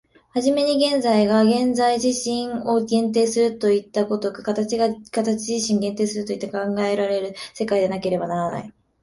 始めに現在が現在自身を限定するといった如く、形が形自身を限定すると考えられる世界でなければならない。